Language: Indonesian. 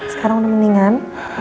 sekarang udah mendingan